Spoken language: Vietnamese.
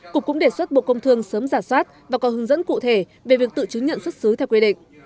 cục cũng đề xuất bộ công thương sớm giả soát và có hướng dẫn cụ thể về việc tự chứng nhận xuất xứ theo quy định